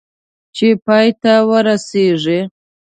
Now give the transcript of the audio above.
چې پای ته ورسېږي .